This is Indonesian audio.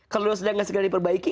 kalau dosa yang gak segera diperbaiki